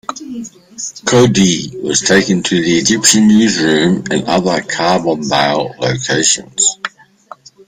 "Kodee" was taken to the "Egyptian" newsroom and other Carbondale locations.